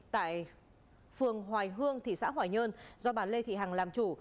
tại phường hoài hương thị xã hoài nhơn do bà lê thị hằng làm chủ